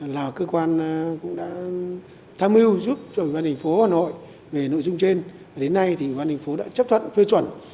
là cơ quan cũng đã tham mưu giúp cho ủy ban nhân dân tp hà nội về nội dung trên đến nay thì ủy ban nhân dân tp đã chấp thuận phê chuẩn